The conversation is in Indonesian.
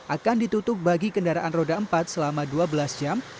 akan ditutup bagi kendaraan roda empat selama dua belas jam